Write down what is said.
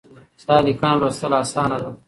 دا ليکنه لوستل اسانه ده.